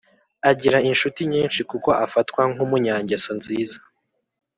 agira inshuti nyinshi kuko afatwa nk’umunyangeso nziza.